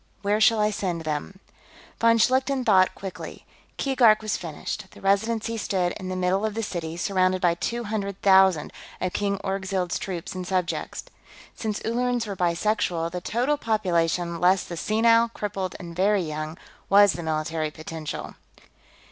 Where shall I send them?" Von Schlichten thought quickly. Keegark was finished; the Residency stood in the middle of the city, surrounded by two hundred thousand of King Orgzild's troops and subjects. Since Ullerans were bisexual, the total population, less the senile, crippled, and very young, was the military potential.